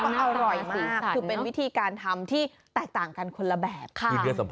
อร่อยมากคือเป็นวิธีการทำที่แตกต่างกันคนละแบบค่ะ